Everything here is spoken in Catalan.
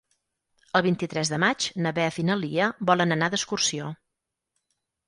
El vint-i-tres de maig na Beth i na Lia volen anar d'excursió.